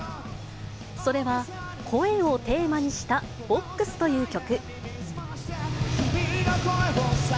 それは声をテーマにしたＶＯＸという曲。